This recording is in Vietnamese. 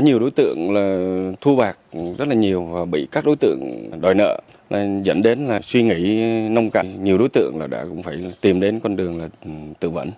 nhiều đối tượng thu bạc rất là nhiều và bị các đối tượng đòi nợ dẫn đến suy nghĩ nông cạnh nhiều đối tượng cũng phải tìm đến con đường tự vẫn